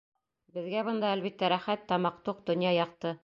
Беҙгә бында, әлбиттә, рәхәт, тамаҡ туҡ, донъя яҡты...